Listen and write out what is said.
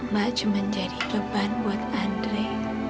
mbak cuma jadi leban buat andri